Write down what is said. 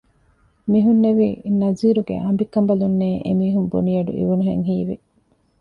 މިހުންނެވީ ނަޒީރުގެ އަނބިކަންބަލުންނޭ އެމީހުން ބުނި އަޑު އިވުނުހެން ހީވި